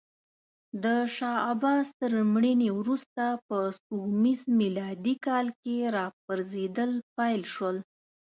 د شاه عباس تر مړینې وروسته په سپوږمیز میلادي کال کې راپرزېدل پیل شول.